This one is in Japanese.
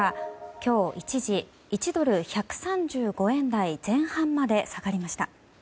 今日、一時１ドル＝１３５円台前半まで下がりました。